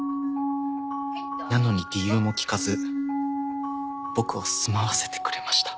なのに理由も聞かず僕を住まわせてくれました。